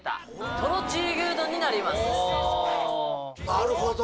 なるほど！